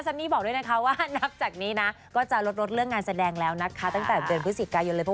ทำไมล่ะเดี๋ยวก็มีครับมันต้องเจอคนที่ดีจริงครับผม